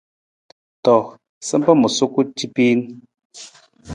To, sampa ma suku capiin.